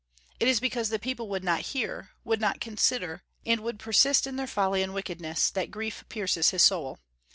It is because the people would not hear, would not consider, and would persist in their folly and wickedness, that grief pierces his soul.